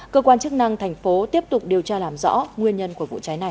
cơ quan chức năng thành phố tiếp tục điều tra làm rõ nguyên nhân của vụ cháy này